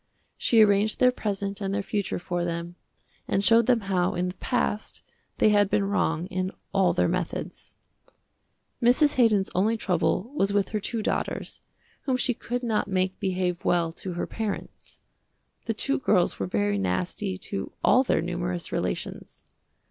She arranged their present and their future for them, and showed them how in the past they had been wrong in all their methods. Mrs. Haydon's only trouble was with her two daughters, whom she could not make behave well to her parents. The two girls were very nasty to all their numerous relations.